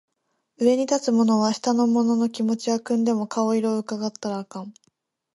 上に立つ者は下の者の気持ちは汲んでも顔色は窺ったらあかん